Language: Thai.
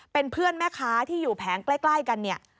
เป็นเพื่อนแม่ค้าที่อยู่แผงใกล้กันเนี่ย